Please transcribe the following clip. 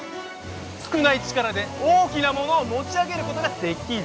少ない力で大きなものを持ち上げることができる。